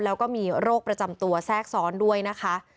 แล้วก็มีโรคประจำตัวแทรกซ้อนด้วยนะคะ